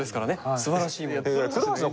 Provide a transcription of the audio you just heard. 素晴らしいもの。